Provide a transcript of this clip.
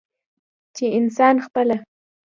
چې انسان خپله